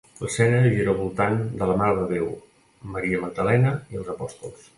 L'escena gira al voltant de la Mare de Déu, Maria Magdalena i els Apòstols.